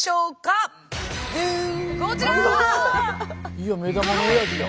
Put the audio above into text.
いや目玉のおやじだ。